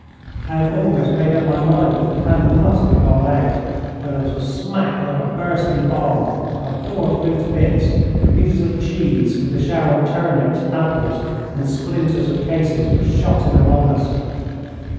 I had almost made up my mind that the candle must have gone out when there was a smack like a bursting bomb, our door flew to bits, and pieces of cheese, with a shower of turnips, apples, and splinters of cases, were shot in among us.